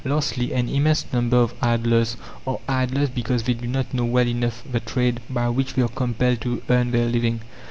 Lastly, an immense number of "idlers" are idlers because they do not know well enough the trade by which they are compelled to earn their living.